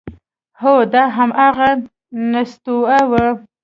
هو، دا همغه نستوه و…